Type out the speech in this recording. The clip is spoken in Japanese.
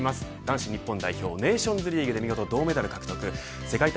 男子日本代表ネーションズリーグで見事、銅メダル獲得。